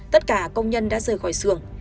tất cả công nhân đã rời khỏi xưởng